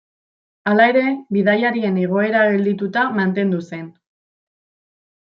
Hala ere bidaiarien igoera geldituta mantendu zen.